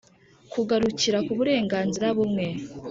kugarukira ku burenganzira bumwe